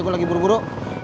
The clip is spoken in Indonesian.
gue lagi buru buru